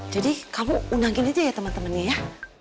jadi kamu undangin aja ya temen temennya ya